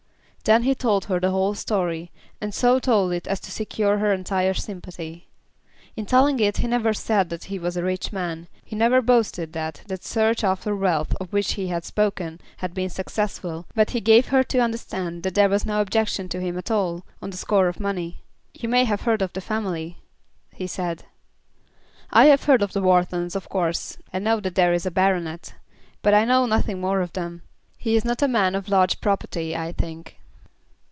Then he told her the whole story, and so told it as to secure her entire sympathy. In telling it he never said that he was a rich man, he never boasted that that search after wealth of which he had spoken, had been successful; but he gave her to understand that there was no objection to him at all on the score of money. "You may have heard of the family," he said. "I have heard of the Whartons of course, and know that there is a baronet, but I know nothing more of them. He is not a man of large property, I think."